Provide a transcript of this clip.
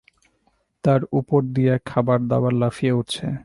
তার উপর দিয়ে খাবার দাবার লাফিয়ে উঠছে।